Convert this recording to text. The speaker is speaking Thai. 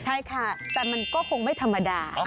ใช่ค่ะแต่มันก็คงไม่ธรรมดา